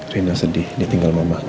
rina sedih ditinggal mamanya